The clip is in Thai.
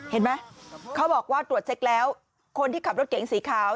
เห็นไหมเขาบอกว่าตรวจเช็คแล้วคนที่ขับรถเก๋งสีขาว